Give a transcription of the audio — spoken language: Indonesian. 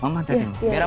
mama bantu aja